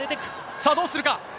さあ、どうするか。